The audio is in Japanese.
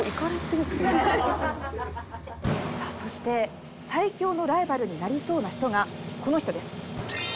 さあそして最強のライバルになりそうな人がこの人です。